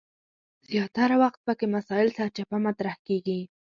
زیاتره وخت پکې مسایل سرچپه مطرح کیږي.